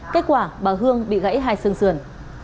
kết quả bà hương bị gãy hai xương xườn